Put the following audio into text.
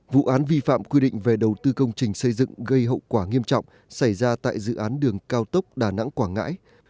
vụ án vi phạm quy định về đầu tư công trình xây dựng gây hậu quả nghiêm trọng xảy ra tại dự án đường cao tốc đà nẵng quảng ngãi